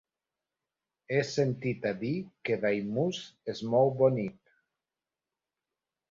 He sentit a dir que Daimús és molt bonic.